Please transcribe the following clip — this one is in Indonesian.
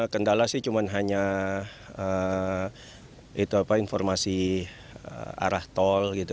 kendala sih cuma hanya informasi arah tol gitu